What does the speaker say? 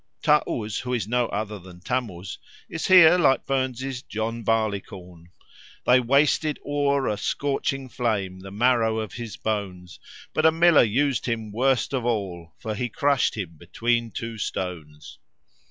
Tâ uz, who is no other than Tammuz, is here like Burns's John Barleycorn: "They wasted o'er a scorching flame The marrow of his bones; But a miller us'd him worst of all For he crush'd him between two stones."